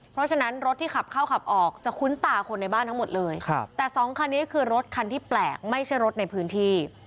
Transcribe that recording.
เพราะฉะนั้นรถที่ขับเข้าขับออกจะคุ้นตาคนในบ้านทั้งหมดเลยแต่สองคันนี้คือรถคันที่แปลกไม่ใช่รถในพื้นที่